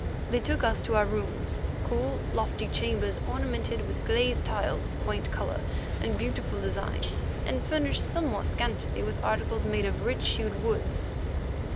They took us to our rooms—cool, lofty chambers ornamented with glazed tiles of quaint colour and beautiful design, and furnished somewhat scantily with articles made of rich hued woods.